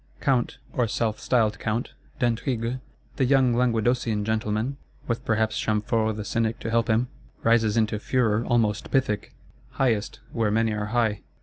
Count, or self styled Count, d'Aintrigues, "the young Languedocian gentleman," with perhaps Chamfort the Cynic to help him, rises into furor almost Pythic; highest, where many are high.